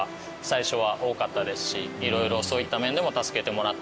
色々そういった面でも助けてもらってましたし。